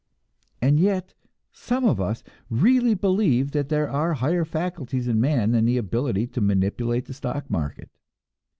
And yet, some of us really believe that there are higher faculties in man than the ability to manipulate the stock market.